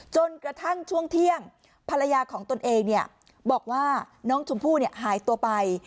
จนกระทั่งช่วงเที่ยงภรรยาของตนเองบอกว่าน้องชมพู่หายตัวไป